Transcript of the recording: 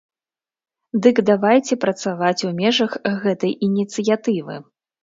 Дык давайце працаваць у межах гэтай ініцыятывы.